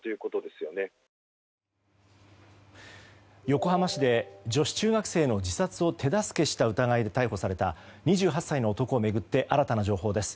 横浜市で女子中学生の自殺を手助けした疑いで逮捕された２８歳の男を巡って新たな情報です。